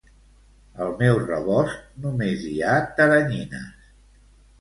Al meu rebost només hi ha teranyines